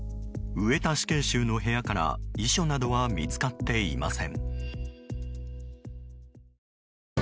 上田死刑囚の部屋から遺書などは見つかっていません。